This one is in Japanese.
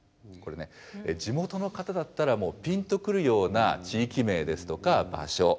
これね地元の方だったらもうピンと来るような地域名ですとか場所